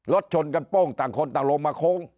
รถชนกันโป้งต่างคนต่างลงมาโค้ง